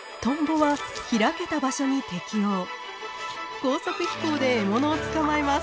高速飛行で獲物を捕まえます。